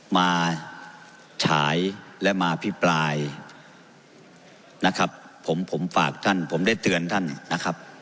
ฉายและมาพิปรายนะครับผมผมฝากท่านผมได้เตือนท่านนะครับ